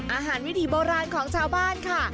วิถีโบราณของชาวบ้านค่ะ